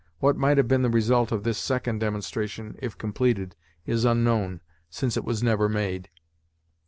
What might have been the result of this second demonstration if completed, is unknown, since it was never made.